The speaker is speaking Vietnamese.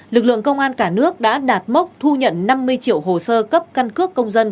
lực lượng công an cả nước đã đạt mốc thu nhận năm mươi triệu hồ sơ cấp căn cước công dân